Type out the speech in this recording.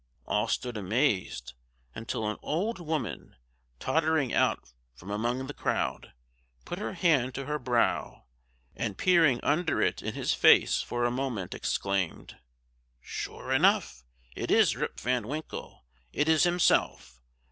All stood amazed, until an old woman, tottering out from among the crowd, put her hand to her brow, and peering under it in his face for a moment exclaimed, "sure enough! it is Rip Van Winkle it is himself.